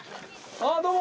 あどうも。